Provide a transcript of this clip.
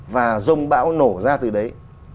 và rông bão nổ ra từ đấy